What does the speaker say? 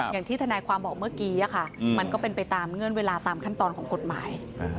อย่างที่ทไนความบอกเลยมันเป็นไปตามเวลาอย่างเช่นข้างของกฎหมาย